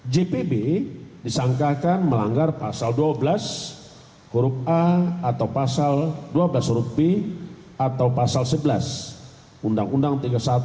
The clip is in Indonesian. jpb disangkakan melanggar pasal dua belas huruf a atau pasal dua belas huruf b atau pasal sebelas undang undang tiga puluh satu